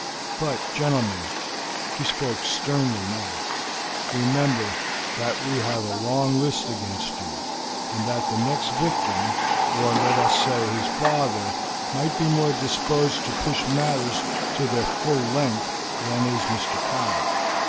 But, gentlemen," he spoke sternly now, "remember that we have a long list against you, and that the next victim, or let us say his father, might be more disposed to push matters to their full length than is Mr. Cotter.